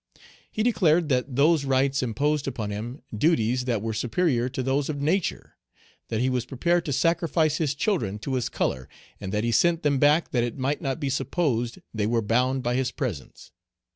He declared that those rights imposed upon him duties that were superior to those of nature; that he was prepared to sacrifice his children to his color, and that he sent them back that it might not be supposed they were bound by his presence.